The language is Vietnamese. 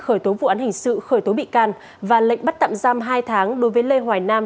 khởi tố vụ án hình sự khởi tố bị can và lệnh bắt tạm giam hai tháng đối với lê hoài nam